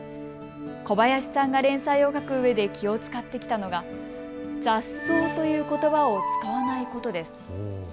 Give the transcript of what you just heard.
小林さんが連載を書くうえで気を遣ってきたのが雑草ということばを使わないことです。